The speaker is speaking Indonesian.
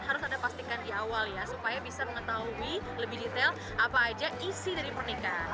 harus anda pastikan di awal ya supaya bisa mengetahui lebih detail apa aja isi dari pernikahan